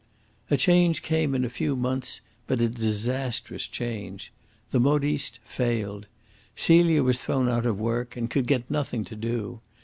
A change came in a few months, but a disastrous change. The modiste failed. Celia was thrown out of work, and could get nothing to do.